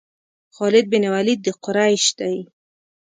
خالد بن ولید د قریش دی.